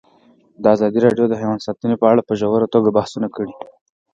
ازادي راډیو د حیوان ساتنه په اړه په ژوره توګه بحثونه کړي.